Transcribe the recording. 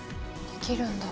できるんだ。